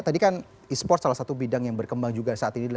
tadi kan esports salah satu bidang yang berkembang juga saat ini